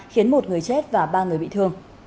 khiến một người chết và ba người bị thương